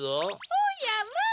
おやまあ！